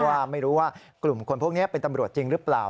ว่าไม่รู้ว่ากลุ่มคนพวกนี้เป็นตำรวจจริงหรือเปล่า